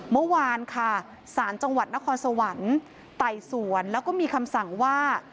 เมื่อวานค่ะสารจังหวัดนครสวรรค์ไต่สวนแล้วก็มีคำสั่งว่า